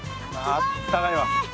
あったかいねえ。